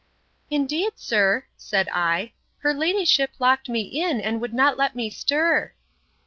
Indeed, sir, said I, her ladyship locked me in, and would not let me stir.